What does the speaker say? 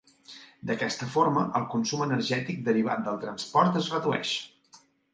D'aquesta forma, el consum energètic derivat del transport es redueix.